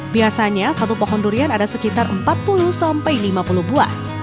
biasanya satu pohon durian ada sekitar empat puluh sampai lima puluh buah